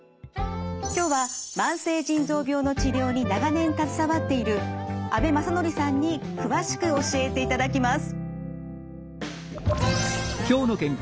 今日は慢性腎臓病の治療に長年携わっている阿部雅紀さんに詳しく教えていただきます。